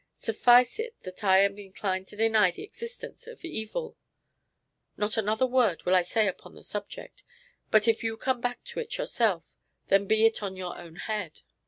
Suffice it that I am inclined to deny the existence of evil. Not another word will I say upon the subject; but if you come back to it yourself, then be it on your own head.